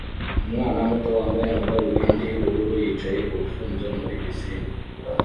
Umwana muto wambaye amadarubindi yubururu yicaye ku rufunzo muri pisine